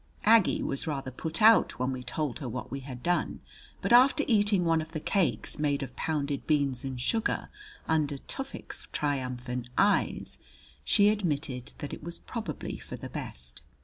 Aggie was rather put out when we told her what we had done; but after eating one of the cakes made of pounded beans and sugar, under Tufik's triumphant eyes, she admitted that it was probably for the best.